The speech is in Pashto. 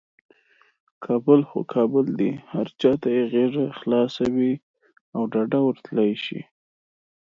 کابل خو کابل دی، هر چاته یې غیږه خلاصه وي او ډاده ورتللی شي.